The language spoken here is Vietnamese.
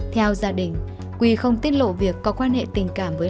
theo gia đình quy không tiết lộ việc có quan hệ tình cảm với